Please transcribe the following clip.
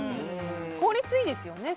効率がいいですよね